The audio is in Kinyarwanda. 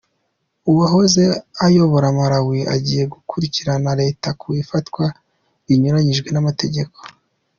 Uwahoze ayobora Malawi agiye gukurikirana Leta ku ifatwa rinyuranyije n’amategeko